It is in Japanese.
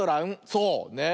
そうねえ。